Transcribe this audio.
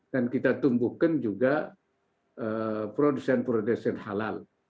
dan kita tumbuhkan juga produsen produsen halal